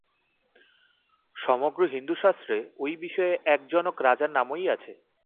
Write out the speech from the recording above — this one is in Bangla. সমগ্র হিন্দুশাস্ত্রে ঐ-বিষয়ে এক জনক রাজার নামই আছে।